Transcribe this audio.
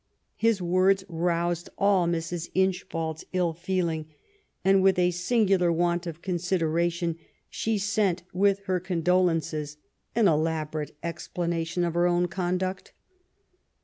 His words roused all Mrs. Inchbald's ill feeling, and, with a singular want of consideration, she sent with her condolences an elaborate explanation of her own conduct.